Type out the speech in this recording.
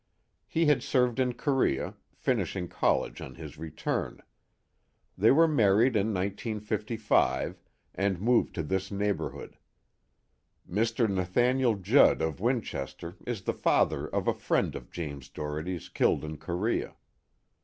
He had served in Korea, finishing college on his return. They were married in 1955, and moved to this neighborhood. Mr. Nathaniel Judd of Winchester is the father of a friend of James Doherty's killed in Korea.